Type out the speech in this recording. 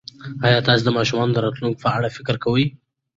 ایا تاسي د ماشومانو د راتلونکي په اړه فکر کوئ؟